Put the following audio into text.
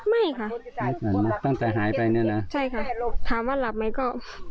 ไม่ค่ะตั้งแต่หายไปเนี่ยนะใช่ค่ะถามว่าหลับไหมก็